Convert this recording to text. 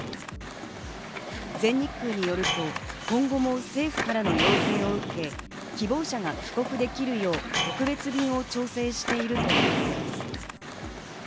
全日空によると、今後も政府からの要請を受け、希望者が帰国できるよう特別便を調整しているということです。